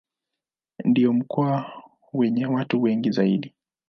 Ndio mkoa wenye watu wengi zaidi.